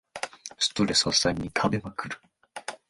ストレス発散に食べまくる